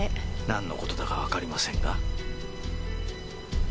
なんの事だかわかりませんが。